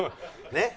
ねっ。